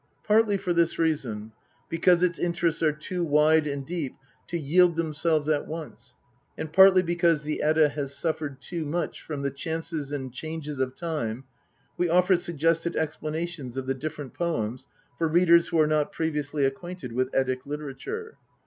Partly for this reason, because its interests are too wide and deep to yield themselves at once, and partly because the Edda has suffered too much from the chances and changes of time, we offer suggested expl. i nations of the different poems for readers who are not previously acquainted with Eddie literature.